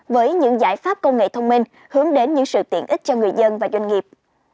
với những giải pháp công nghệ thông minh hướng đến những sự tiện ích cho người dân và doanh nghiệp